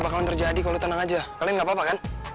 pak antarin dengan saya pak